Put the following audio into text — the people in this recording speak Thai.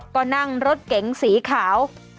ก็นั่งรถเก๋งสีขาว